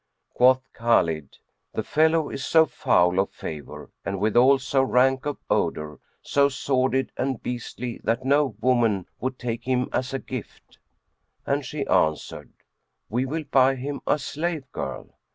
Quoth Khбlid, "The fellow is so foul of favour and withal so rank of odour, so sordid and beastly that no woman would take him as a gift." And she answered, "We will buy him a slave girl."